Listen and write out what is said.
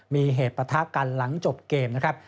มีเหตุประทะกันหลังจบเกมนะครับ